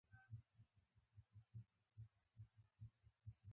د عفونت د وچولو لپاره د څه شي اوبه وکاروم؟